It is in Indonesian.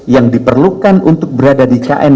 yang diperlukan untuk berada di knk